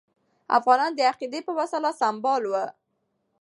افغانان د عقیدې په وسله سمبال وو.